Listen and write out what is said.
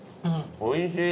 おいしい。